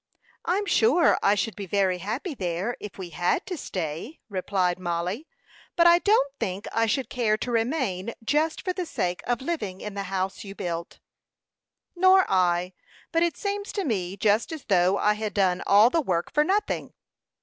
"I'm sure I should be very happy there, if we had to stay," replied Mollie, "But I don't think I should care to remain just for the sake of living in the house you built." "Nor I; but it seems to me just as though I had done all the work for nothing."